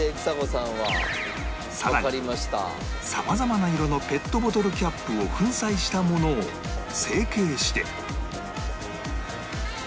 さらに様々な色のペットボトルキャップを粉砕したものを成型して